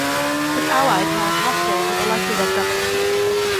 His ally Charles Haskell was elected as governor.